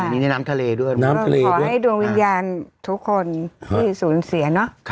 มีในน้ำทะเลด้วยขอให้ดวงวิญญาณทุกคนที่สูญเสียเนอะค่ะ